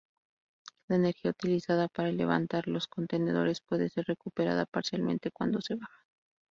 La energía utilizada para levantar los contenedores puede ser recuperada parcialmente cuando se bajan.